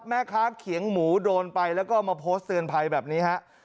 แม่ค้าเขียงหมูโดนไปแล้วก็มาโพสต์เตือนภัยแบบนี้ฮะ